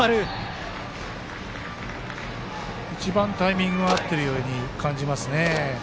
一番タイミング合っているように感じますね。